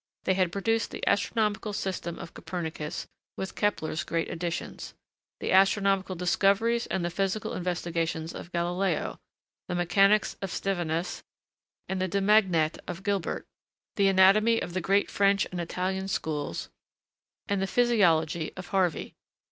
They had produced the astronomical system of Copernicus, with Kepler's great additions; the astronomical discoveries and the physical investigations of Galileo; the mechanics of Stevinus and the 'De Magnete' of Gilbert; the anatomy of the great French and Italian schools and the physiology of Harvey.